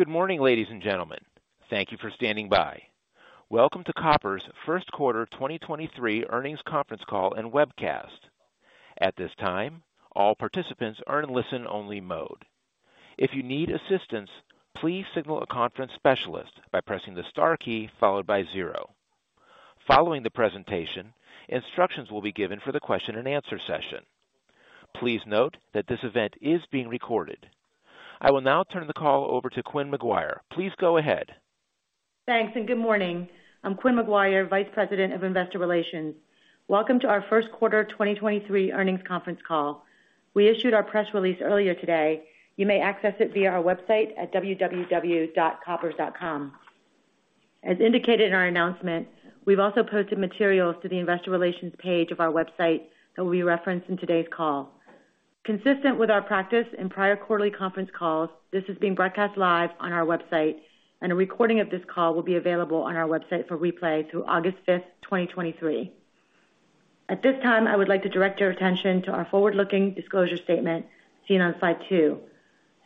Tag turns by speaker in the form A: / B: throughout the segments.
A: Good morning, ladies and gentlemen. Thank you for standing by. Welcome to Koppers' First Quarter 2023 earnings conference call and webcast. At this time, all participants are in listen-only mode. If you need assistance, please signal a conference specialist by pressing the star key followed by 0. Following the presentation, instructions will be given for the question and answer session. Please note that this event is being recorded. I will now turn the call over to Quynh McGuire. Please go ahead.
B: Thanks. Good morning. I'm Quynh McGuire, Vice President of Investor Relations. Welcome to our First Quarter 2023 earnings conference call. We issued our press release earlier today. You may access it via our website at www.koppers.com. As indicated in our announcement, we've also posted materials to the investor relations page of our website that we reference in today's call. Consistent with our practice in prior quarterly conference calls, this is being broadcast live on our website, and a recording of this call will be available on our website for replay through August 5th, 2023. At this time, I would like to direct your attention to our forward-looking disclosure statement seen on slide 2.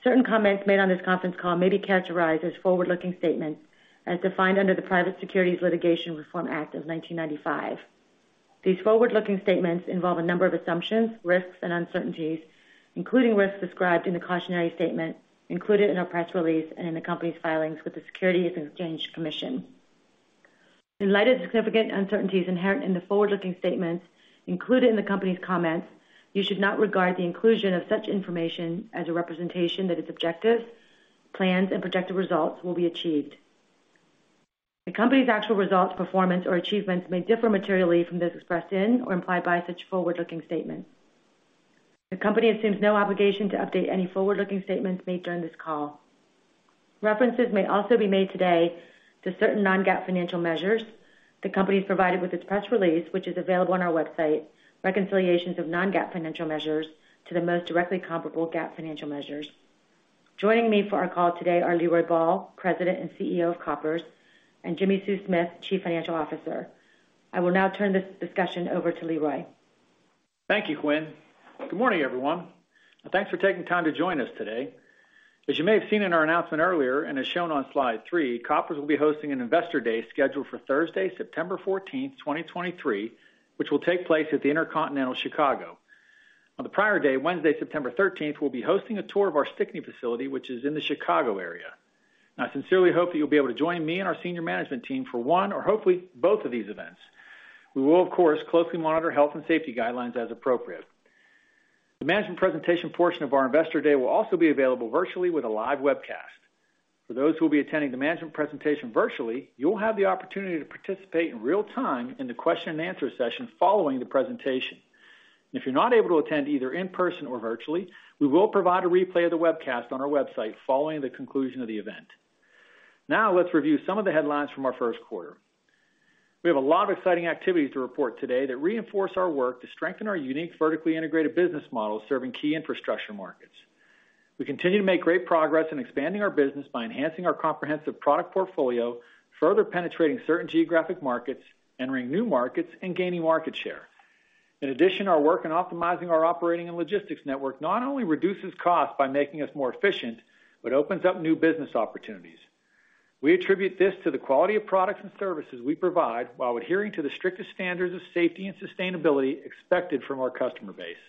B: Certain comments made on this conference call may be characterized as forward-looking statements as defined under the Private Securities Litigation Reform Act of 1995. These forward-looking statements involve a number of assumptions, risks, and uncertainties, including risks described in the cautionary statement included in our press release and in the company's filings with the Securities and Exchange Commission. In light of significant uncertainties inherent in the forward-looking statements included in the company's comments, you should not regard the inclusion of such information as a representation that its objectives, plans, and projected results will be achieved. The company's actual results, performance, or achievements may differ materially from those expressed in or implied by such forward-looking statements. The company assumes no obligation to update any forward-looking statements made during this call. References may also be made today to certain non-GAAP financial measures. The company is provided with its press release, which is available on our website, reconciliations of non-GAAP financial measures to the most directly comparable GAAP financial measures. Joining me for our call today are Leroy Ball, President and CEO of Koppers, and Jimmi Sue Smith, Chief Financial Officer. I will now turn this discussion over to Leroy.
A: Thank you, Quynh. Good morning, everyone. Thanks for taking time to join us today. As you may have seen in our announcement earlier, as shown on slide 3, Koppers will be hosting an Investor Day scheduled for Thursday, September 14, 2023, which will take place at the InterContinental Chicago. On the prior day, Wednesday, September 13, we'll be hosting a tour of our Stickney facility, which is in the Chicago area. I sincerely hope that you'll be able to join me and our senior management team for one or hopefully both of these events. We will, of course, closely monitor health and safety guidelines as appropriate. The management presentation portion of our Investor Day will also be available virtually with a live webcast. For those who will be attending the management presentation virtually, you'll have the opportunity to participate in real-time in the question and answer session following the presentation. If you're not able to attend either in person or virtually, we will provide a replay of the webcast on our website following the conclusion of the event. Let's review some of the headlines from our first quarter. We have a lot of exciting activity to report today that reinforce our work to strengthen our unique vertically integrated business model serving key infrastructure markets. We continue to make great progress in expanding our business by enhancing our comprehensive product portfolio, further penetrating certain geographic markets, entering new markets, and gaining market share. Our work in optimizing our operating and logistics network not only reduces cost by making us more efficient, but opens up new business opportunities. We attribute this to the quality of products and services we provide while adhering to the strictest standards of safety and sustainability expected from our customer base.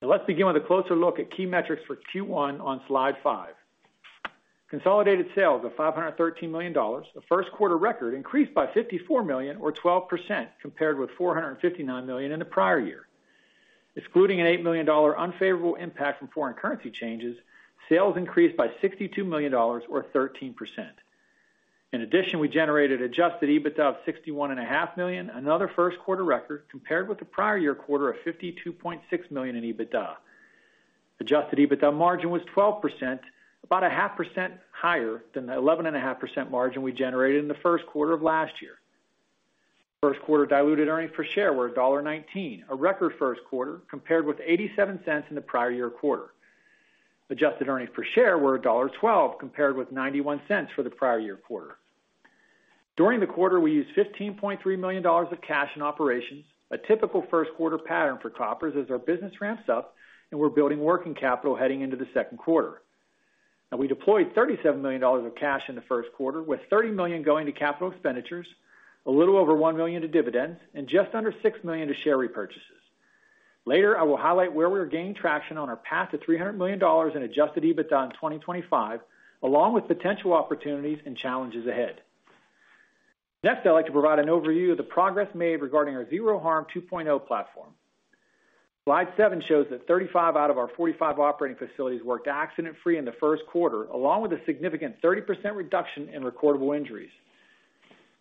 A: Let's begin with a closer look at key metrics for Q1 on slide 5. Consolidated sales of $513 million, the first quarter record increased by $54 million or 12% compared with $459 million in the prior year. Excluding an $8 million unfavorable impact from foreign currency changes, sales increased by $62 million or 13%. We generated Adjusted EBITDA of $61.5 million, another first quarter record, compared with the prior year quarter of $52.6 million in Adjusted EBITDA. Adjusted EBITDA margin was 12%, about a half percent higher than the 11.5% margin we generated in the first quarter of last year. First quarter diluted earnings per share were $1.19, a record first quarter compared with $0.87 in the prior year quarter. Adjusted earnings per share were $1.12 compared with $0.91 for the prior year quarter. During the quarter, we used $15.3 million of cash in operations, a typical first quarter pattern for Koppers as our business ramps up and we're building working capital heading into the second quarter. We deployed $37 million of cash in the first quarter, with $30 million going to capital expenditures, a little over $1 million to dividends, and just under $6 million to share repurchases. Later, I will highlight where we are gaining traction on our path to $300 million in adjusted EBITDA in 2025, along with potential opportunities and challenges ahead. I'd like to provide an overview of the progress made regarding our Zero Harm 2.0 platform. Slide 7 shows that 35 out of our 45 operating facilities worked accident-free in the first quarter, along with a significant 30% reduction in recordable injuries.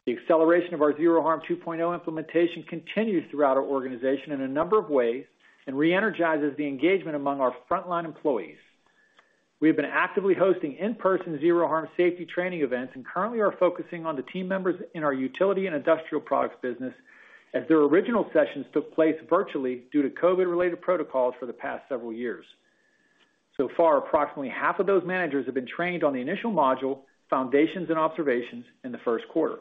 A: The acceleration of our Zero Harm 2.0 implementation continues throughout our organization in a number of ways and reenergizes the engagement among our frontline employees. We have been actively hosting in-person Zero Harm safety training events and currently are focusing on the team members in our utility and industrial products business as their original sessions took place virtually due to COVID-related protocols for the past several years. Approximately half of those managers have been trained on the initial module, foundations, and observations in the first quarter.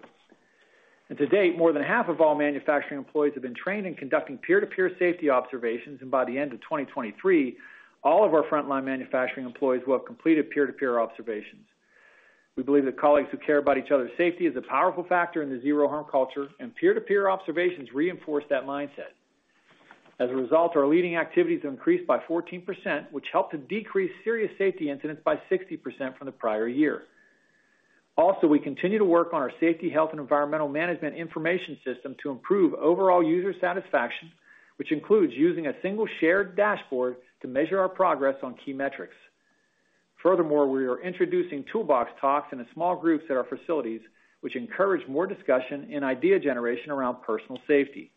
A: To date, more than half of all manufacturing employees have been trained in conducting peer-to-peer safety observations, and by the end of 2023, all of our frontline manufacturing employees will have completed peer-to-peer observations. We believe that colleagues who care about each other's safety is a powerful factor in the Zero Harm culture, and peer-to-peer observations reinforce that mindset. As a result, our leading activities increased by 14%, which helped to decrease serious safety incidents by 60% from the prior year. We continue to work on our safety, health, and environmental management information system to improve overall user satisfaction, which includes using a single shared dashboard to measure our progress on key metrics. We are introducing toolbox talks into small groups at our facilities, which encourage more discussion and idea generation around personal safety.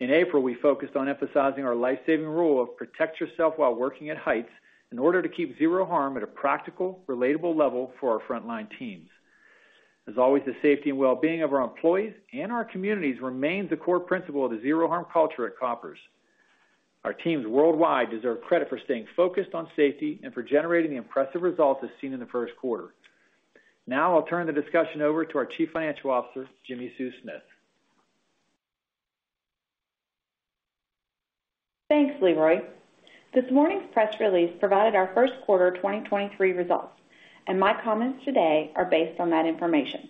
A: In April, we focused on emphasizing our life-saving rule of protect yourself while working at heights in order to keep Zero Harm at a practical, relatable level for our frontline teams. As always, the safety and well-being of our employees and our communities remains a core principle of the Zero Harm culture at Koppers. Our teams worldwide deserve credit for staying focused on safety and for generating the impressive results as seen in the first quarter. I'll turn the discussion over to our Chief Financial Officer, Jimmi Sue Smith.
C: Thanks, Leroy. This morning's press release provided our First Quarter 2023 results. My comments today are based on that information.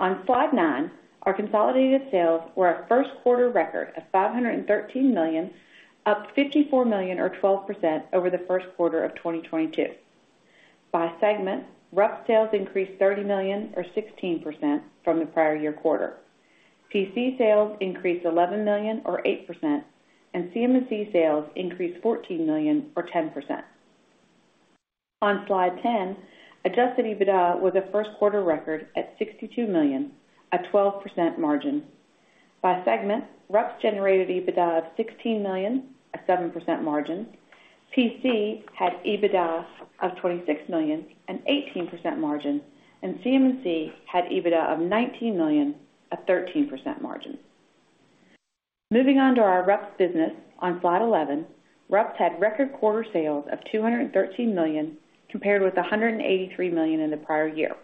C: On slide 9, our consolidated sales were a first quarter record of $513 million, up $54 million or 12% over the first quarter of 2022. By segment, RUPS sales increased $30 million or 16% from the prior year quarter. PC sales increased $11 million or 8%. CM&C sales increased $14 million or 10%. On slide 10, adjusted EBITDA was a first quarter record at $62 million at 12% margin. By segment, RUPS generated EBITDA of $16 million at 7% margin. PC had EBITDA of $26 million and 18% margin. CM&C had EBITDA of $19 million at 13% margin. Moving on to our RUPS business on slide 11. RUPS had record quarter sales of $213 million compared with $183 million in the prior year.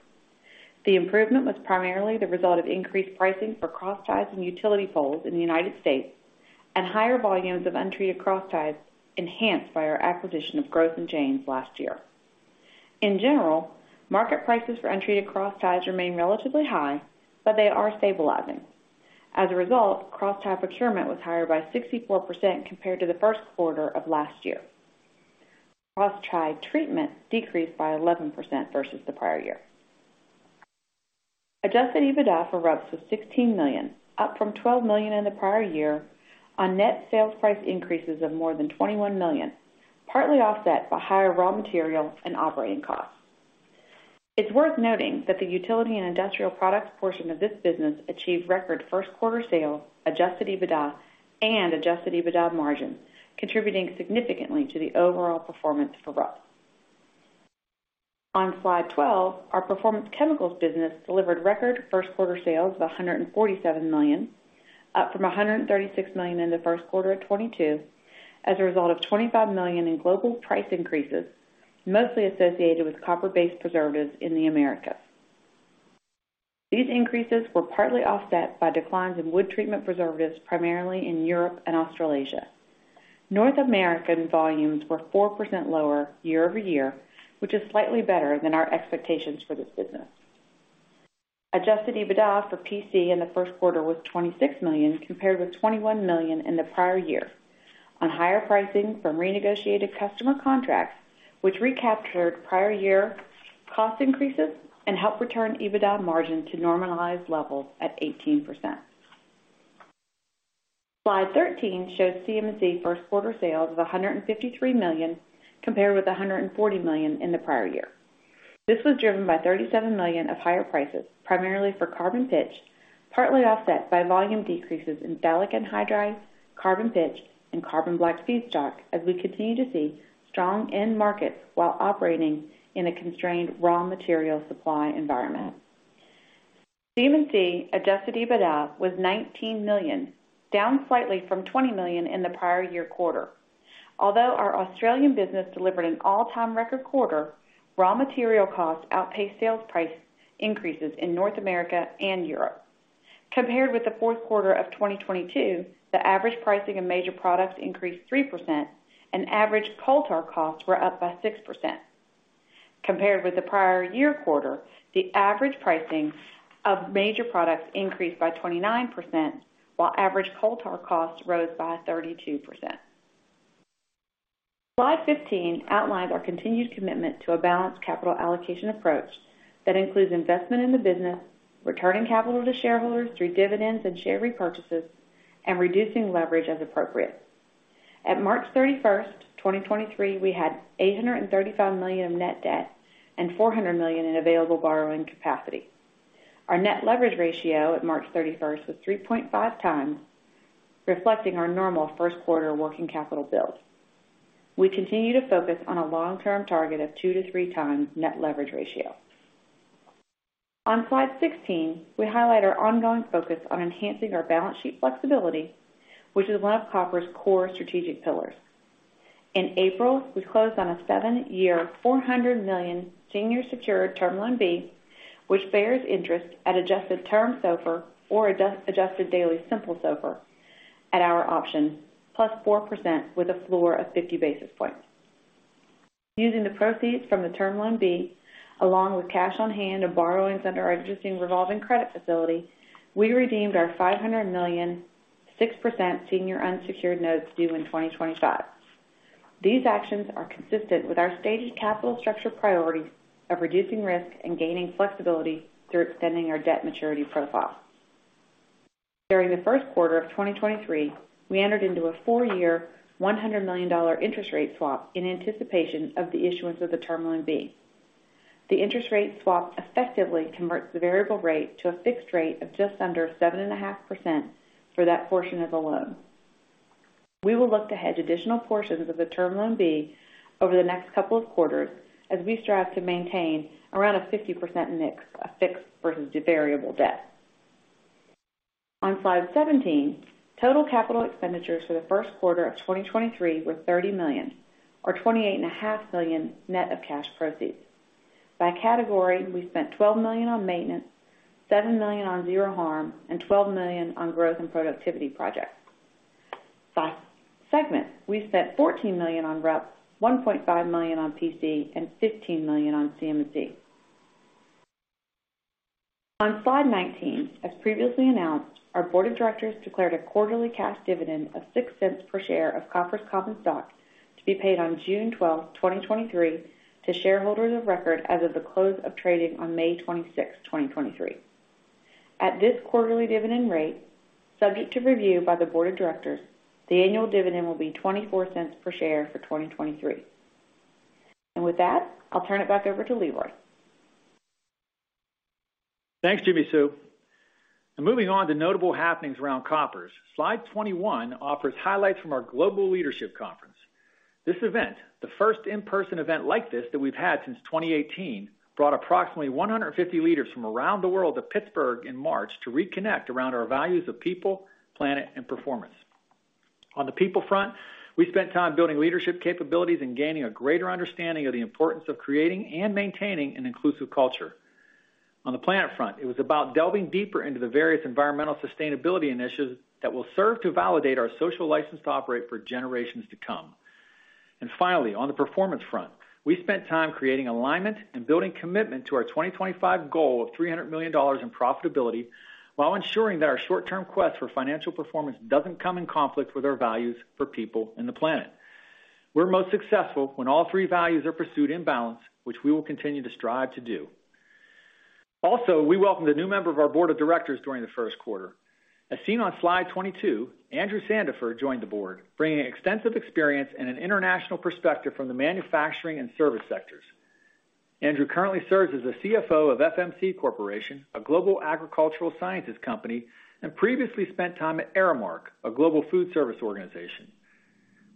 C: The improvement was primarily the result of increased pricing for crossties and utility poles in the United States and higher volumes of untreated crossties enhanced by our acquisition of Gross & Janes last year. In general, market prices for untreated crossties remain relatively high, but they are stabilizing. As a result, crosstie procurement was higher by 64% compared to the first quarter of last year. Crosstie treatment decreased by 11% versus the prior year. Adjusted EBITDA for RUPS was $16 million, up from $12 million in the prior year on net sales price increases of more than $21 million, partly offset by higher raw material and operating costs. It's worth noting that the utility and industrial products portion of this business achieved record first quarter sales, adjusted EBITDA, and adjusted EBITDA margins, contributing significantly to the overall performance for RUPS. On slide 12, our Performance Chemicals business delivered record first quarter sales of $147 million, up from $136 million in the first quarter of 2022, as a result of $25 million in global price increases, mostly associated with copper-based preservatives in the Americas. These increases were partly offset by declines in wood treatment preservatives, primarily in Europe and Australasia. North American volumes were 4% lower year-over-year, which is slightly better than our expectations for this business. Adjusted EBITDA for PC in the first quarter was $26 million, compared with $21 million in the prior year. On higher pricing from renegotiated customer contracts, which recaptured prior year cost increases and help return EBITDA margin to normalized levels at 18%. Slide 13 shows CM&C first quarter sales of $153 million compared with $140 million in the prior year. This was driven by $37 million of higher prices, primarily for carbon pitch, partly offset by volume decreases in phthalic anhydride, carbon pitch, and carbon black feedstock as we continue to see strong end markets while operating in a constrained raw material supply environment. CM&C adjusted EBITDA was $19 million, down slightly from $20 million in the prior year quarter. Our Australian business delivered an all-time record quarter, raw material costs outpaced sales price increases in North America and Europe. Compared with the fourth quarter of 2022, the average pricing of major products increased 3%, and average coal tar costs were up by 6%. Compared with the prior year quarter, the average pricing of major products increased by 29%, while average coal tar costs rose by 32%. Slide 15 outlines our continued commitment to a balanced capital allocation approach that includes investment in the business, returning capital to shareholders through dividends and share repurchases, and reducing leverage as appropriate. At March 31st, 2023, we had $835 million of net debt and $400 million in available borrowing capacity. Our net leverage ratio at March 31st was 3.5x, reflecting our normal first quarter working capital build. We continue to focus on a long-term target of 2x–3x net leverage ratio. On slide 16, we highlight our ongoing focus on enhancing our balance sheet flexibility, which is one of Koppers' core strategic pillars. In April, we closed on a 7-year, $400 million senior secured Term Loan B, which bears interest at adjusted term SOFR or adjusted daily simple SOFR at our option, +4% with a floor of 50 basis points. Using the proceeds from the Term Loan B along with cash on hand of borrowings under our existing revolving credit facility, we redeemed our $500 million, 6% senior unsecured notes due in 2025. These actions are consistent with our stated capital structure priorities of reducing risk and gaining flexibility through extending our debt maturity profile. During the first quarter of 2023, we entered into a 4-year, $100 million interest rate swap in anticipation of the issuance of the Term Loan B. The interest rate swap effectively converts the variable rate to a fixed rate of just under 7.5% for that portion of the loan. We will look to hedge additional portions of the Term Loan B over the next couple of quarters as we strive to maintain around a 50% mix of fixed versus variable debt. On slide 17, total capital expenditures for the first quarter of 2023 were $30 million or $28.5 million net of cash proceeds. By category, we spent $12 million on maintenance, $7 million on Zero Harm, and $12 million on growth and productivity projects. By segment, we spent $14 million on RUPS, $1.5 million on PC, and $15 million on CM&C. On slide 19, as previously announced, our board of directors declared a quarterly cash dividend of $0.06 per share of Koppers common stock to be paid on June 12th, 2023 to shareholders of record as of the close of trading on May 26th, 2023. At this quarterly dividend rate, subject to review by the board of directors, the annual dividend will be $0.24 per share for 2023. With that, I'll turn it back over to Leroy.
A: Thanks, Jimmi Sue. Moving on to notable happenings around Koppers. Slide 21 offers highlights from our global leadership conference. This event, the first in-person event like this that we've had since 2018, brought approximately 150 leaders from around the world to Pittsburgh in March to reconnect around our values of people, planet, and performance. On the people front, we spent time building leadership capabilities and gaining a greater understanding of the importance of creating and maintaining an inclusive culture. On the planet front, it was about delving deeper into the various environmental sustainability initiatives that will serve to validate our social license to operate for generations to come. Finally, on the performance front, we spent time creating alignment and building commitment to our 2025 goal of $300 million in profitability while ensuring that our short-term quest for financial performance doesn't come in conflict with our values for people and the planet. We're most successful when all three values are pursued in balance, which we will continue to strive to do. Also, we welcomed a new member of our board of directors during the first quarter. As seen on slide 22, Andrew Sandifer joined the board, bringing extensive experience and an international perspective from the manufacturing and service sectors. Andrew currently serves as the CFO of FMC Corporation, a global agricultural sciences company, and previously spent time at Aramark, a global food service organization.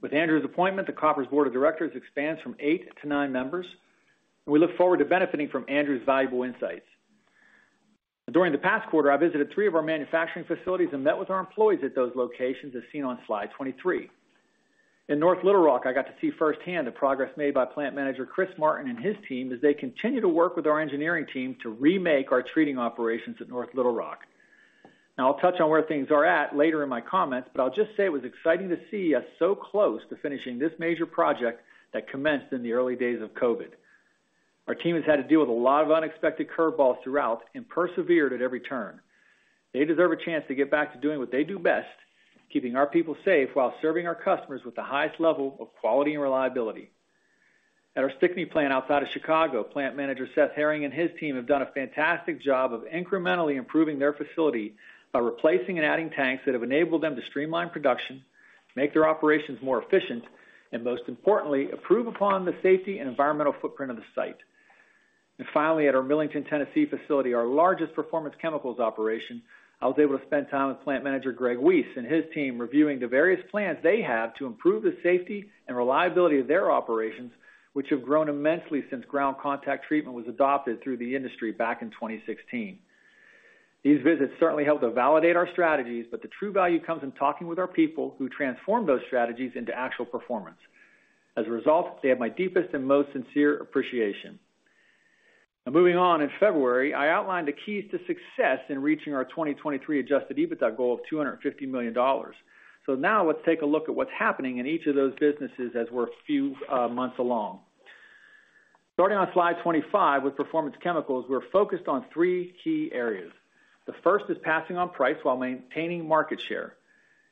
A: With Andrew Sandifer's appointment, the Koppers board of directors expands from eight to nine members, and we look forward to benefiting from Andrew's valuable insights. During the past quarter, I visited three of our manufacturing facilities and met with our employees at those locations, as seen on slide 23. In North Little Rock, I got to see firsthand the progress made by Plant Manager Chris Martin and his team as they continue to work with our engineering team to remake our treating operations at North Little Rock. Now, I'll touch on where things are at later in my comments, but I'll just say it was exciting to see us so close to finishing this major project that commenced in the early days of COVID. Our team has had to deal with a lot of unexpected curveballs throughout and persevered at every turn. They deserve a chance to get back to doing what they do best, keeping our people safe while serving our customers with the highest level of quality and reliability. At our Stickney plant outside of Chicago, Plant Manager Seth Herring and his team have done a fantastic job of incrementally improving their facility by replacing and adding tanks that have enabled them to streamline production, make their operations more efficient, and most importantly, improve upon the safety and environmental footprint of the site. Finally, at our Millington, Tennessee facility, our largest performance chemicals operation, I was able to spend time with Plant Manager Greg Wess and his team reviewing the various plans they have to improve the safety and reliability of their operations, which have grown immensely since ground contact treatment was adopted through the industry back in 2016. These visits certainly help to validate our strategies, but the true value comes in talking with our people who transform those strategies into actual performance. As a result, they have my deepest and most sincere appreciation. Now, moving on. In February, I outlined the keys to success in reaching our 2023 adjusted EBITDA goal of $250 million. Now let's take a look at what's happening in each of those businesses as we're a few months along. Starting on slide 25, with Performance Chemicals, we're focused on three key areas. The first is passing on price while maintaining market share.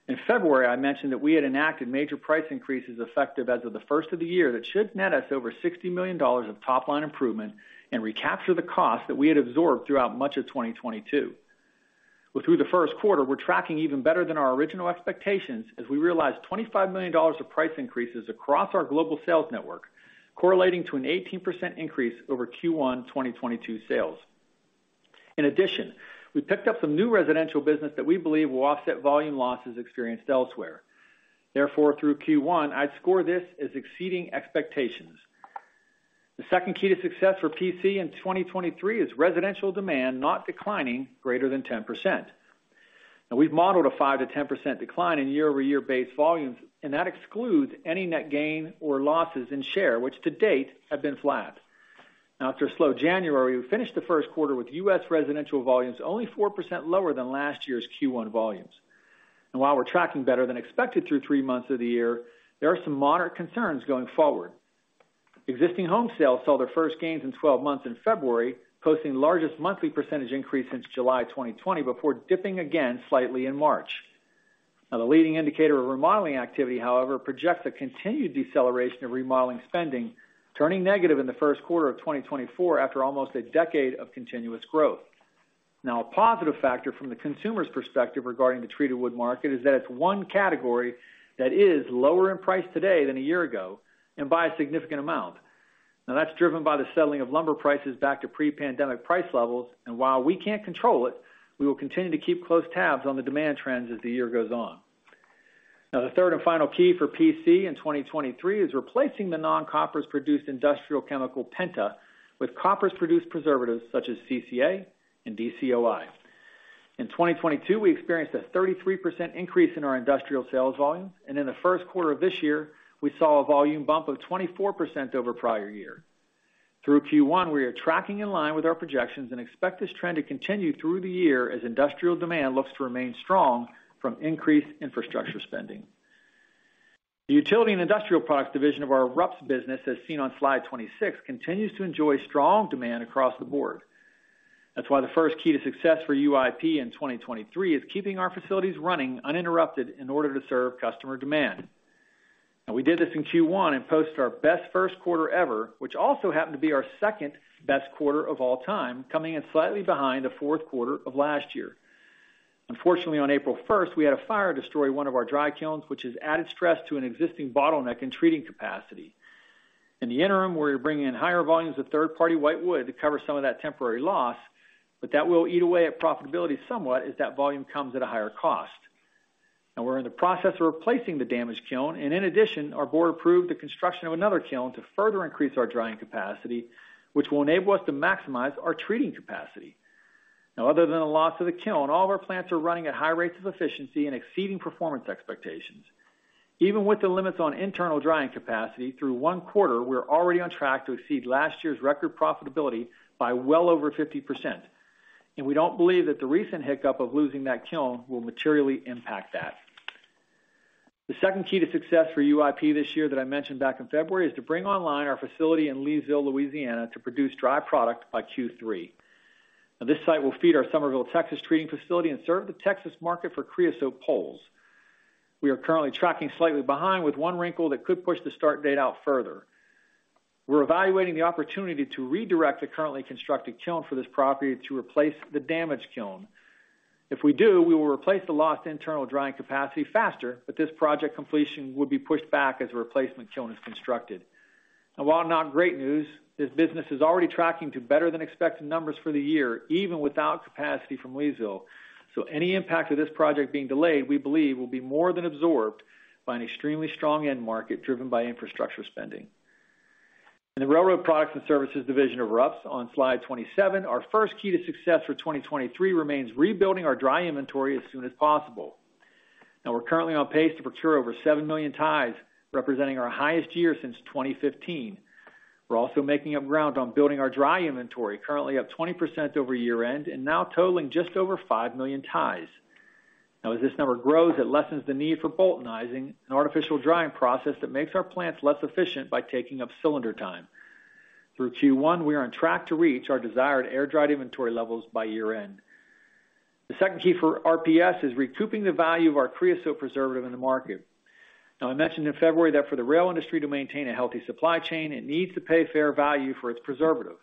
A: In February, I mentioned that we had enacted major price increases effective as of the first of the year that should net us over $60 million of top line improvement and recapture the cost that we had absorbed throughout much of 2022. Well, through the first quarter, we're tracking even better than our original expectations as we realized $25 million of price increases across our global sales network, correlating to an 18% increase over Q1 2022 sales. In addition, we picked up some new residential business that we believe will offset volume losses experienced elsewhere. Therefore, through Q1, I'd score this as exceeding expectations. The second key to success for PC in 2023 is residential demand not declining greater than 10%. Now we've modeled a 5%-10% decline in year-over-year base volumes, and that excludes any net gain or losses in share, which to date have been flat. Now after a slow January, we finished the first quarter with U.S. residential volumes only 4% lower than last year's Q1 volumes. While we're tracking better than expected through three months of the year, there are some moderate concerns going forward. Existing home sales saw their first gains in 12 months in February, posting the largest monthly percentage increase since July 2020 before dipping again slightly in March. The leading indicator of remodeling activity, however, projects a continued deceleration of remodeling spending, turning negative in the first quarter of 2024 after almost a decade of continuous growth. A positive factor from the consumer's perspective regarding the treated wood market is that it's one category that is lower in price today than a year ago and by a significant amount. That's driven by the settling of lumber prices back to pre-pandemic price levels. While we can't control it, we will continue to keep close tabs on the demand trends as the year goes on. The third and final key for PC in 2023 is replacing the non-Koppers produced industrial chemical penta with Koppers produced preservatives such as CCA and DCOI. In 2022, we experienced a 33% increase in our industrial sales volumes, and in the first quarter of this year, we saw a volume bump of 24% over prior year. Through Q1, we are tracking in line with our projections and expect this trend to continue through the year as industrial demand looks to remain strong from increased infrastructure spending. The Utility and Industrial Products division of our RUPS business, as seen on slide 26, continues to enjoy strong demand across the board. The first key to success for UIP in 2023 is keeping our facilities running uninterrupted in order to serve customer demand. We did this in Q1 and posted our best first quarter ever, which also happened to be our second-best quarter of all time, coming in slightly behind the fourth quarter of last year. On April 1st, we had a fire destroy one of our dry kilns, which has added stress to an existing bottleneck in treating capacity. In the interim, we're bringing in higher volumes of third-party white wood to cover some of that temporary loss, but that will eat away at profitability somewhat as that volume comes at a higher cost. We're in the process of replacing the damaged kiln, and in addition, our Board approved the construction of another kiln to further increase our drying capacity, which will enable us to maximize our treating capacity. Other than the loss of the kiln, all of our plants are running at high rates of efficiency and exceeding performance expectations. Even with the limits on internal drying capacity through one quarter, we're already on track to exceed last year's record profitability by well over 50%, and we don't believe that the recent hiccup of losing that kiln will materially impact that. The second key to success for UIP this year that I mentioned back in February is to bring online our facility in Leesville, Louisiana, to produce dry product by Q3. This site will feed our Somerville, Texas, treating facility and serve the Texas market for creosote poles. We are currently tracking slightly behind with one wrinkle that could push the start date out further. We're evaluating the opportunity to redirect the currently constructed kiln for this property to replace the damaged kiln. If we do, we will replace the lost internal drying capacity faster, but this project completion would be pushed back as a replacement kiln is constructed. While not great news, this business is already tracking to better than expected numbers for the year, even without capacity from Leesville. Any impact of this project being delayed, we believe, will be more than absorbed by an extremely strong end market driven by infrastructure spending. In the Railroad Products and Services division of RUPS on slide 27, our first key to success for 2023 remains rebuilding our dry inventory as soon as possible. Now we're currently on pace to procure over 7 million ties, representing our highest year since 2015. We're also making up ground on building our dry inventory, currently up 20% over year-end and now totaling just over 5 million ties. As this number grows, it lessens the need for boltonizing, an artificial drying process that makes our plants less efficient by taking up cylinder time. Through Q1, we are on track to reach our desired air-dried inventory levels by year-end. The second key for RPS is recouping the value of our creosote preservative in the market. I mentioned in February that for the rail industry to maintain a healthy supply chain, it needs to pay fair value for its preservative.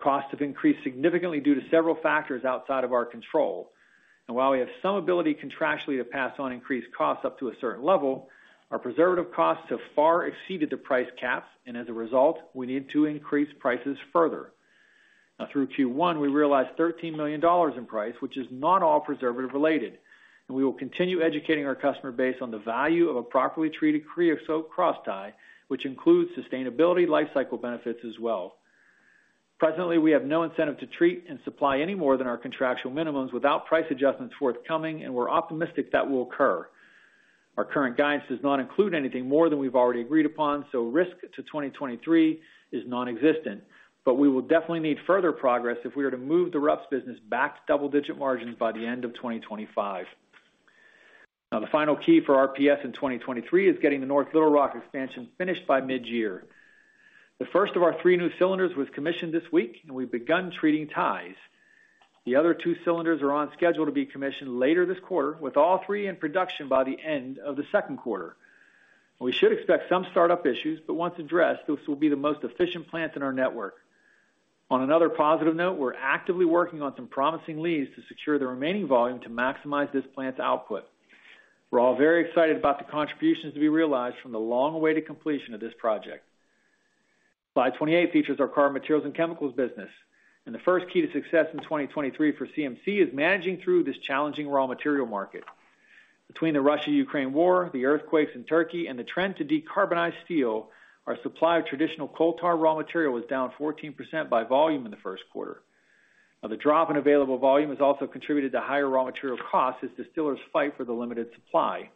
A: Costs have increased significantly due to several factors outside of our control. While we have some ability contractually to pass on increased costs up to a certain level, our preservative costs have far exceeded the price caps, and as a result, we need to increase prices further. Through Q1, we realized $13 million in price, which is not all preservative related, and we will continue educating our customer base on the value of a properly treated creosote crosstie, which includes sustainability lifecycle benefits as well. Presently, we have no incentive to treat and supply any more than our contractual minimums without price adjustments forthcoming. We're optimistic that will occur. Our current guidance does not include anything more than we've already agreed upon. Risk to 2023 is nonexistent. We will definitely need further progress if we are to move the RUPS business back to double-digit margins by the end of 2025. The final key for RPS in 2023 is getting the North Little Rock expansion finished by mid-year. The first of our 3 new cylinders was commissioned this week. We've begun treating ties. The other 2 cylinders are on schedule to be commissioned later this quarter, with all 3 in production by the end of the second quarter. We should expect some startup issues, but once addressed, this will be the most efficient plant in our network. On another positive note, we're actively working on some promising leads to secure the remaining volume to maximize this plant's output. We're all very excited about the contributions to be realized from the long-awaited completion of this project. Slide 28 features our Carbon Materials and Chemicals business, and the first key to success in 2023 for CMC is managing through this challenging raw material market. Between the Russia–Ukraine war, the earthquakes in Turkey, and the trend to decarbonize steel, our supply of traditional coal tar raw material was down 14% by volume in the first quarter. The drop in available volume has also contributed to higher raw material costs as distillers fight for the limited supply.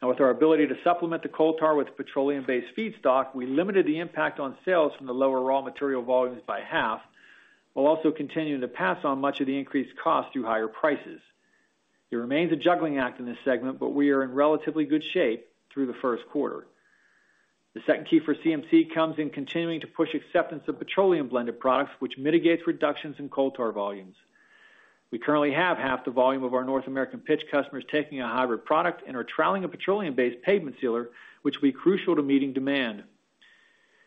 A: With our ability to supplement the coal tar with petroleum-based feedstock, we limited the impact on sales from the lower raw material volumes by half. We'll also continue to pass on much of the increased cost through higher prices. It remains a juggling act in this segment, but we are in relatively good shape through the first quarter. The second key for CMC comes in continuing to push acceptance of petroleum blended products, which mitigates reductions in coal tar volumes. We currently have half the volume of our North American carbon pitch customers taking a hybrid product and are trialing a petroleum-based pavement sealer, which will be crucial to meeting demand.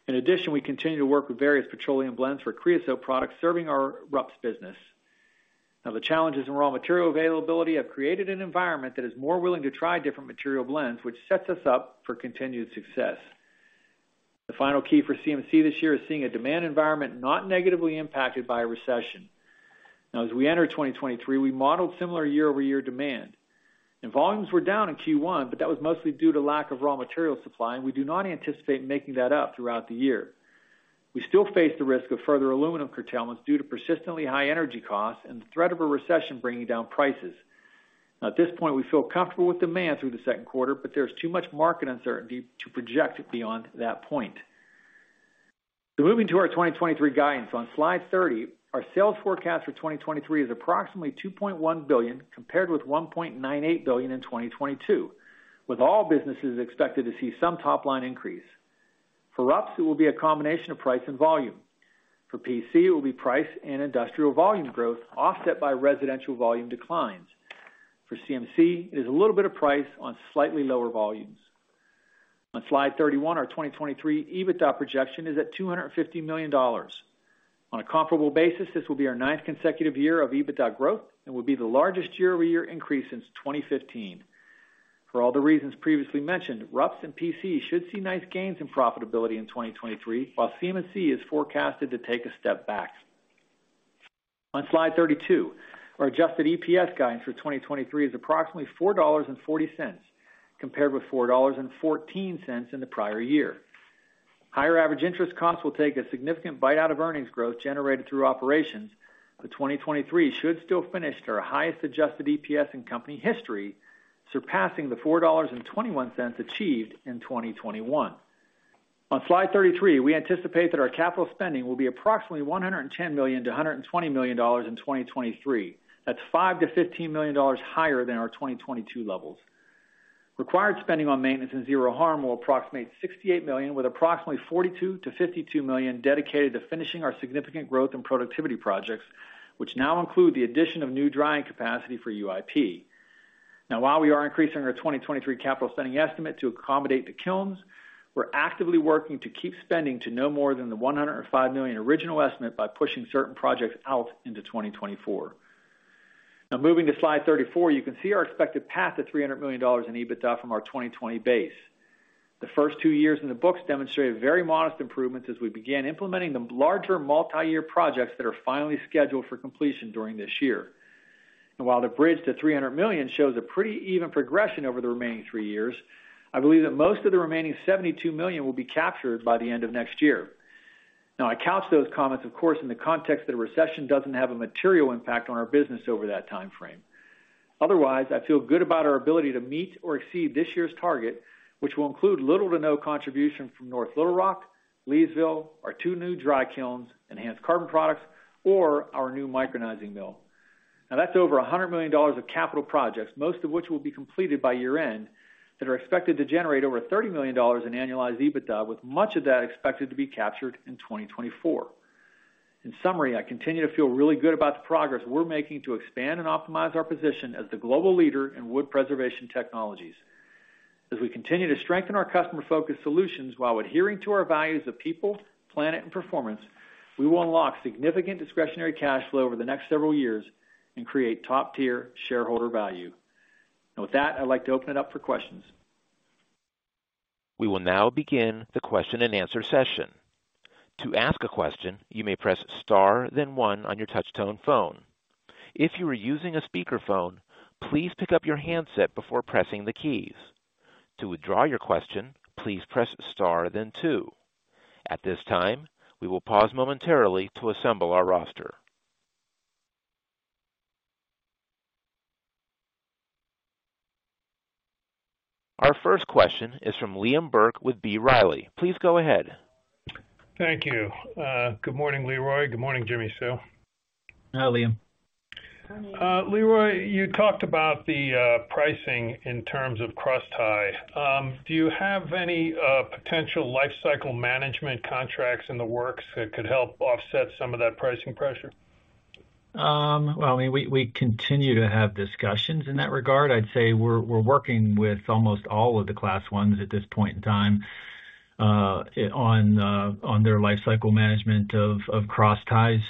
A: In addition, we continue to work with various petroleum blends for creosote products serving our RUPS business. The challenges in raw material availability have created an environment that is more willing to try different material blends, which sets us up for continued success. The final key for CMC this year is seeing a demand environment not negatively impacted by a recession. As we enter 2023, we modeled similar year-over-year demand, and volumes were down in Q1, but that was mostly due to lack of raw material supply, and we do not anticipate making that up throughout the year. We still face the risk of further aluminum curtailments due to persistently high energy costs and the threat of a recession bringing down prices. At this point, we feel comfortable with demand through the second quarter, but there's too much market uncertainty to project beyond that point. Moving to our 2023 guidance on slide 30, our sales forecast for 2023 is approximately $2.1 billion, compared with $1.98 billion in 2022, with all businesses expected to see some top line increase. For RUPS, it will be a combination of price and volume. For PC, it will be price and industrial volume growth offset by residential volume declines. For CMC, it is a little bit of price on slightly lower volumes. On slide 31, our 2023 EBITDA projection is at $250 million. On a comparable basis, this will be our 9th consecutive year of EBITDA growth and will be the largest year-over-year increase since 2015. For all the reasons previously mentioned, RUPS and PC should see nice gains in profitability in 2023, while CMC is forecasted to take a step back. On slide 32, our adjusted EPS guidance for 2023 is approximately $4.40, compared with $4.14 in the prior year. Higher average interest costs will take a significant bite out of earnings growth generated through operations, but 2023 should still finish at our highest adjusted EPS in company history, surpassing the $4.21 achieved in 2021. On slide 33, we anticipate that our capital spending will be approximately $110 million–$120 million in 2023. That's $5 million–$15 million higher than our 2022 levels. Required spending on maintenance and Zero Harm will approximate $68 million, with approximately $42 million–$52 million dedicated to finishing our significant growth and productivity projects, which now include the addition of new drying capacity for UIP. While we are increasing our 2023 capital spending estimate to accommodate the kilns, we're actively working to keep spending to no more than the $105 million original estimate by pushing certain projects out into 2024. Moving to slide 34, you can see our expected path to $300 million in EBITDA from our 2020 base. The first two years in the books demonstrated very modest improvements as we began implementing the larger multi-year projects that are finally scheduled for completion during this year. While the bridge to $300 million shows a pretty even progression over the remaining three years, I believe that most of the remaining $72 million will be captured by the end of next year. I couch those comments, of course, in the context that a recession doesn't have a material impact on our business over that timeframe. Otherwise, I feel good about our ability to meet or exceed this year's target, which will include little to no contribution from North Little Rock, Leesville, our two new dry kilns, enhanced carbon products, or our new micronizing mill. That's over $100 million of capital projects, most of which will be completed by year-end, that are expected to generate over $30 million in annualized EBITDA, with much of that expected to be captured in 2024. In summary, I continue to feel really good about the progress we're making to expand and optimize our position as the global leader in wood preservation technologies. As we continue to strengthen our customer-focused solutions while adhering to our values of people, planet, and performance, we will unlock significant discretionary cash flow over the next several years and create top-tier shareholder value. With that, I'd like to open it up for questions.
D: We will now begin the question and answer session. To ask a question, you may press star then one on your touch tone phone. If you are using a speakerphone, please pick up your handset before pressing the keys. To withdraw your question, please press star then two. At this time, we will pause momentarily to assemble our roster. Our first question is from Liam Burke with B. Riley. Please go ahead.
E: Thank you. Good morning, Leroy. Good morning, Jimmi Sue.
A: Hi, Liam.
E: Leroy, you talked about the pricing in terms of crosstie. Do you have any potential life cycle management contracts in the works that could help offset some of that pricing pressure?
A: We continue to have discussions in that regard. I'd say we're working with almost all of the class ones at this point in time, on their life cycle management of crossties.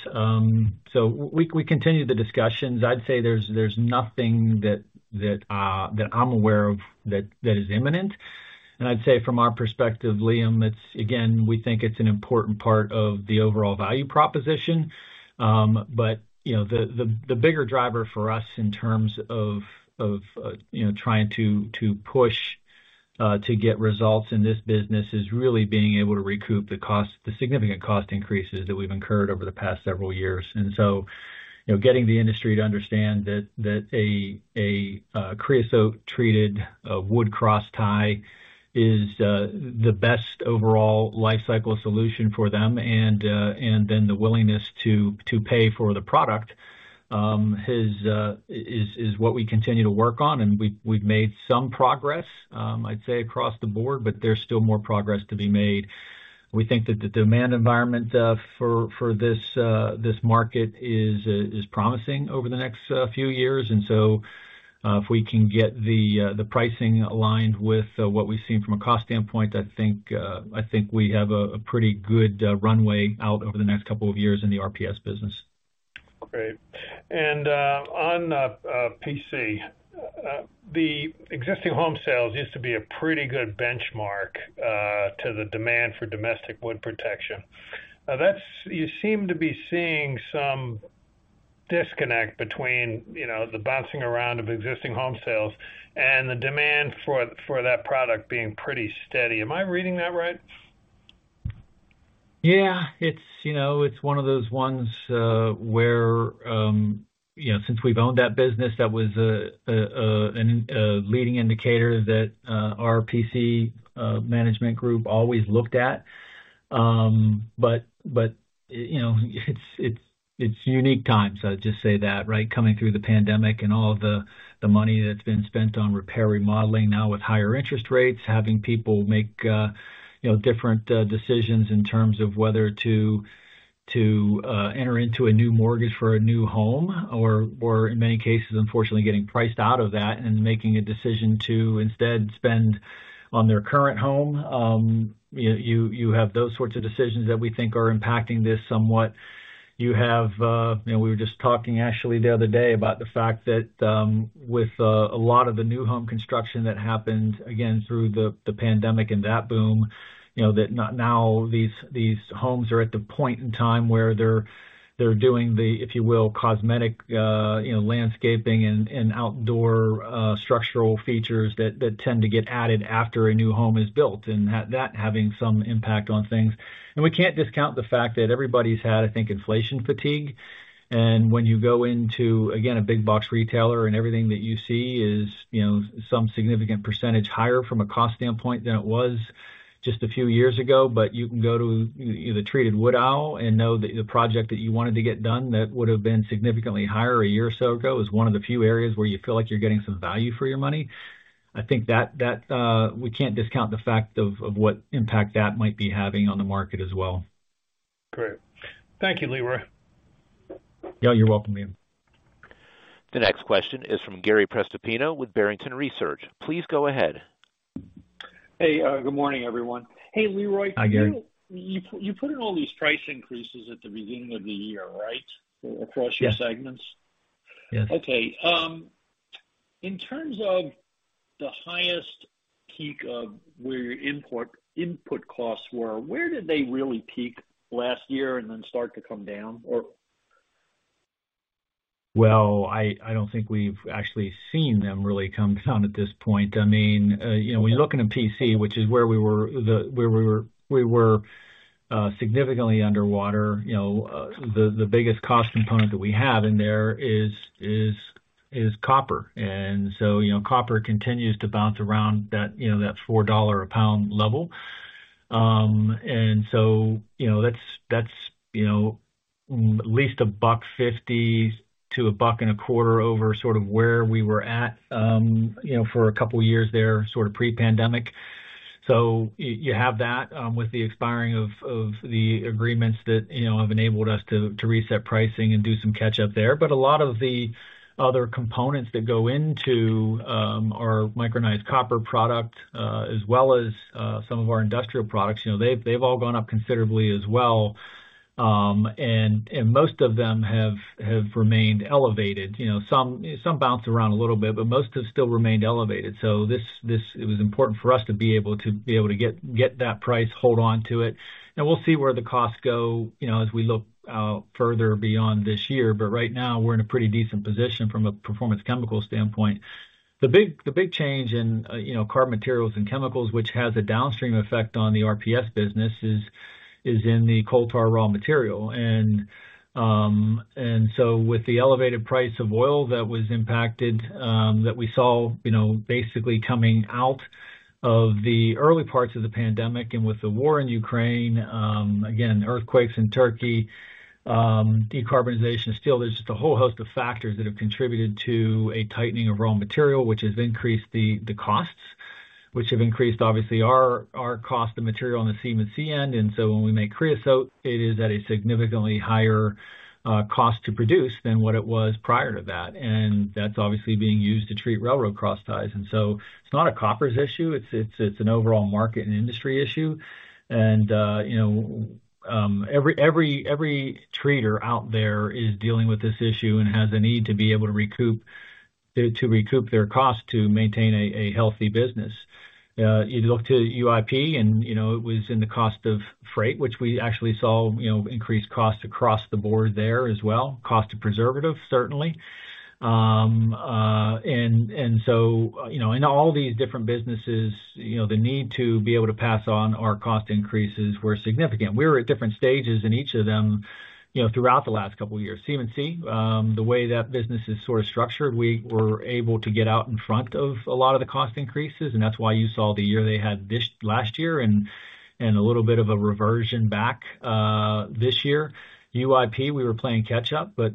A: We continue the discussions. I'd say there's nothing that I'm aware of that is imminent. I'd say from our perspective, Liam, it's again, we think it's an important part of the overall value proposition. You know, the bigger driver for us in terms of, you know, trying to push to get results in this business is really being able to recoup the cost, the significant cost increases that we've incurred over the past several years. You know, getting the industry to understand that a creosote treated wood crosstie is the best overall lifecycle solution for them. Then the willingness to pay for the product is what we continue to work on. We've made some progress, I'd say across the board, but there's still more progress to be made. We think that the demand environment, for this market is promising over the next, few years. If we can get the pricing aligned with what we've seen from a cost standpoint, I think we have a pretty good, runway out over the next couple of years in the RPS business.
E: Great. On PC. The existing home sales used to be a pretty good benchmark to the demand for domestic wood protection. Now, you seem to be seeing some disconnect between, you know, the bouncing around of existing home sales and the demand for that product being pretty steady. Am I reading that right?
A: Yeah. It's, you know, it's one of those ones, where, you know, since we've owned that business, that was a leading indicator that, our PC management group always looked at. You know, it's unique times, I'll just say that, right? Coming through the pandemic and all the money that's been spent on repair remodeling now with higher interest rates, having people make, you know, different decisions in terms of whether to enter into a new mortgage for a new home or in many cases, unfortunately, getting priced out of that and making a decision to instead spend on their current home. You have those sorts of decisions that we think are impacting this somewhat. You have, you know, we were just talking actually the other day about the fact that, with a lot of the new home construction that happened again through the pandemic and that boom, you know, that now these homes are at the point in time where they're doing the, if you will, cosmetic, you know, landscaping and outdoor, structural features that tend to get added after a new home is built, and that having some impact on things. We can't discount the fact that everybody's had, I think, inflation fatigue. When you go into, again, a big box retailer and everything that you see is, you know, some significant percentage higher from a cost standpoint than it was just a few years ago, but you can go to the treated wood aisle and know that the project that you wanted to get done that would have been significantly higher a year or so ago is one of the few areas where you feel like you're getting some value for your money. I think that, we can't discount the fact of what impact that might be having on the market as well.
E: Great. Thank you, Leroy.
A: Yeah, you're welcome, Liam.
D: The next question is from Gary Prestopino with Barrington Research. Please go ahead.
F: Hey. good morning, everyone. Hey, Leroy.
A: Hi, Gary.
F: You put in all these price increases at the beginning of the year, right?
A: Yes.
F: your segments?
A: Yes.
F: In terms of the highest peak of where your import input costs were, where did they really peak last year and then start to come down or?
A: Well, I don't think we've actually seen them really come down at this point. I mean, you know, when you look into PC, which is where we were, we were significantly underwater. You know, the biggest cost component that we have in there is copper. You know, copper continues to bounce around that, you know, that $4 a pound level. You know, that's, you know, at least a buck fifty to a buck and a quarter over sort of where we were at, you know, for a couple of years there, sort of pre-pandemic. You have that with the expiring of the agreements that, you know, have enabled us to reset pricing and do some catch up there. A lot of the other components that go into our micronized copper product, as well as some of our industrial products, you know, they've all gone up considerably as well. Most of them have remained elevated. You know, some bounce around a little bit, but most have still remained elevated. This it was important for us to get that price, hold on to it, and we'll see where the costs go, you know, as we look out further beyond this year. Right now we're in a pretty decent position from a performance chemical standpoint. The big change in, you know, carbon materials and chemicals, which has a downstream effect on the RPS business, is in the coal tar raw material. With the elevated price of oil that was impacted, that we saw, you know, basically coming out of the early parts of the pandemic and with the war in Ukraine, again, earthquakes in Turkey, decarbonization of steel, there's just a whole host of factors that have contributed to a tightening of raw material, which has increased the costs. Which have increased obviously our cost of material on the CM&C end, when we make creosote, it is at a significantly higher cost to produce than what it was prior to that. That's obviously being used to treat railroad crossties. It's not a Koppers issue, it's an overall market and industry issue. you know, every treater out there is dealing with this issue and has a need to be able to recoup their costs to maintain a healthy business. You look to UIP and, you know, it was in the cost of freight, which we actually saw, you know, increased costs across the board there as well. Cost of preservative, certainly. you know, in all these different businesses, you know, the need to be able to pass on our cost increases were significant. We were at different stages in each of them, you know, throughout the last couple of years. CM&C, the way that business is sort of structured, we were able to get out in front of a lot of the cost increases, and that's why you saw the year they had this last year and a little bit of a reversion back this year. UIP, we were playing catch up, but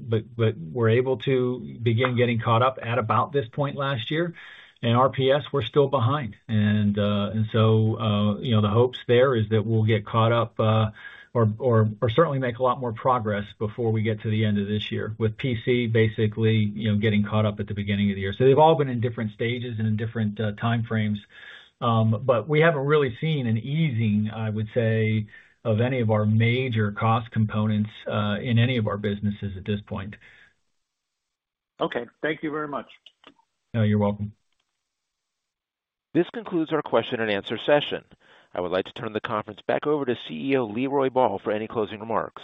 A: were able to begin getting caught up at about this point last year. RPS, we're still behind. You know, the hopes there is that we'll get caught up or certainly make a lot more progress before we get to the end of this year. With PC, basically, you know, getting caught up at the beginning of the year. They've all been in different stages and in different time frames. We haven't really seen an easing, I would say, of any of our major cost components, in any of our businesses at this point.
F: Okay. Thank you very much.
A: Oh, you're welcome.
D: This concludes our question and answer session. I would like to turn the conference back over to CEO Leroy Ball for any closing remarks.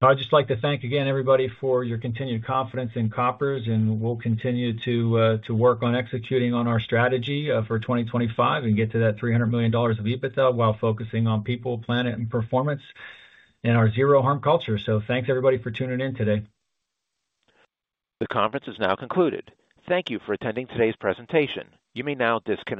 A: I'd just like to thank again everybody for your continued confidence in Koppers, and we'll continue to work on executing on our strategy for 2025 and get to that $300 million of EBITDA while focusing on people, planet, and performance in our Zero Harm culture. Thanks everybody for tuning in today.
D: The conference is now concluded. Thank you for attending today's presentation. You may now disconnect.